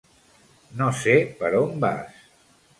No sé per on vas.